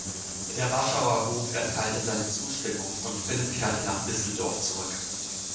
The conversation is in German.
Der Warschauer Hof erteilte seine Zustimmung und Philipp kehrte nach Düsseldorf zurück.